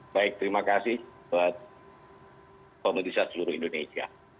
baik terima kasih buat pemerintah seluruh indonesia